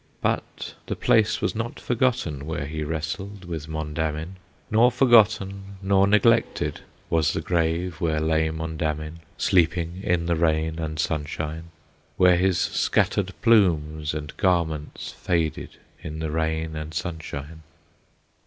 But the place was not forgotten Where he wrestled with Mondamin; Nor forgotten nor neglected Was the grave where lay Mondamin, Sleeping in the rain and sunshine, Where his scattered plumes and garments Faded in the rain and sunshine.